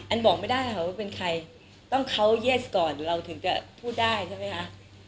บอกไม่ได้ค่ะว่าเป็นใครต้องเขาเย็ดก่อนเราถึงจะพูดได้ใช่ไหมคะ